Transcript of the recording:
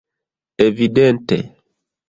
Evidente!